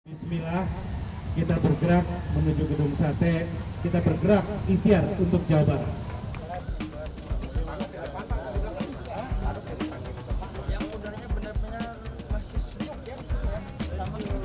bismillah kita bergerak menuju gedung sate kita bergerak ihtiar untuk jawa barat